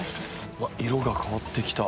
うわ色が変わってきた。